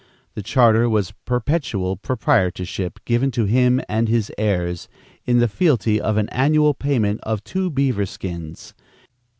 The charter was perpetual proprietorship given to him and his heirs, in the fealty of an annual payment of two beaver skins.